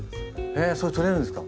えっそれ取れるんですか？